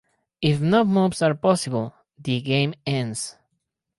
If no moves are possible, the game ends.